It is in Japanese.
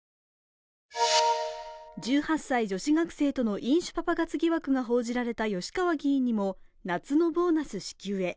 １８歳女子学生との飲食パパ活疑惑が報じられた吉川議員にも夏のボーナス支給へ。